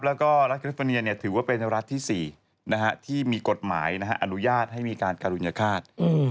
แล้วก็รัฐแคลิฟอร์เนียถือว่าเป็นรัฐที่๔ที่มีกฎหมายอนุญาตให้มีการการุญฆาต